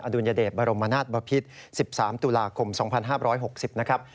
อดุลยเดชน์บรมนาฏบพิษสิบสามตุลาคม๒๕๖๐นะครับ